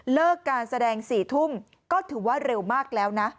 เลิกการแสดง๔ทุ่มก็ถือว่าเร็วมากแล้วนะ